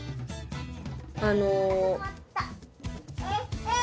あの。